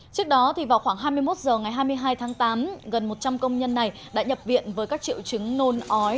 trước đó vào khoảng hai mươi một h ngày hai mươi hai tháng tám gần một trăm linh công nhân này đã nhập viện với các triệu chứng nôn ói